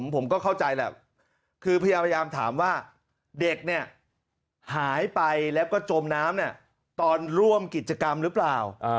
ผมก็เข้าใจแหละคือพยายามถามว่าเด็กเนี่ยหายไปแล้วก็จมน้ำตอนร่วมกิจกรรมหรือเปล่า